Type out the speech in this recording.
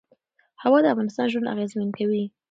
هوا د افغانانو ژوند اغېزمن کوي.